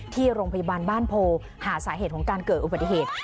ที่โรงพยาบาลบ้านโพหาสาเหตุของการเกิดอุบัติเหตุ